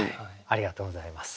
ありがとうございます。